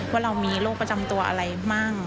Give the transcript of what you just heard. ว่าเรามีโรคประจำตัวอะไรมั่ง